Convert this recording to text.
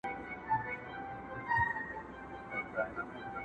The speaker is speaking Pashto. له ښكارونو به يې اخيستل خوندونه!